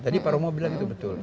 tadi pak romo bilang itu betul